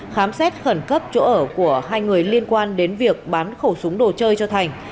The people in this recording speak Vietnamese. khám xét khẩn cấp chỗ ở của hai người liên quan đến việc bán khẩu súng đồ chơi cho thành